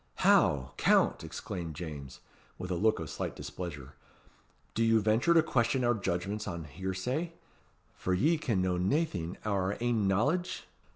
"How! Count!" exclaimed James, with a look of slight displeasure. "Do you venture to question our judgments on hearsay for ye can know naething o' your ain knowledge?"